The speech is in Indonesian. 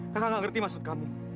kakak gak ngerti maksud kamu